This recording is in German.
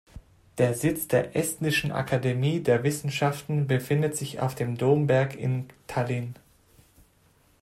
Der Sitz der Estnischen Akademie der Wissenschaften befindet sich auf dem Domberg in Tallinn.